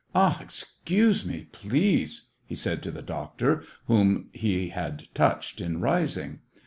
" Ah, excuse me, please," he said to the doctor, whom he had touched in rising.